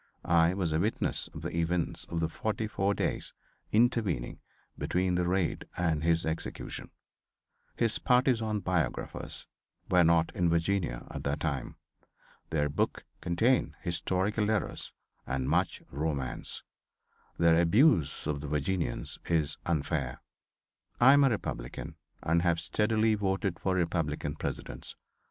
I was a witness of || the events of the forty four days intervening between the raid || and his execution. |||| His partisan biographers were not in Virginia at that time. || Their books contain historical errors and much romance. Their || abuse of the Virginians is unfair. I am a Republican, and have || steadily voted for Republican Presidents.